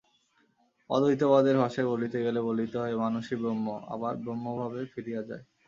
অদ্বৈতবাদের ভাষায় বলিতে গেলে বলিতে হয় মানুষই ব্রহ্ম, আবার ব্রহ্মভাবে ফিরিয়া যায়।